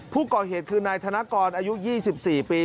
ผู้ก่อเหตุคือนายธนกรอายุ๒๔ปี